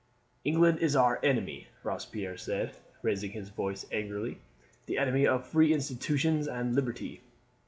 "England is our enemy," Robespierre said, raising his voice angrily; "the enemy of free institutions and liberty."